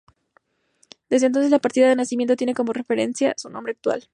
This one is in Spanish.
Desde entonces, la partida de nacimiento tiene como referencia su nombre actual.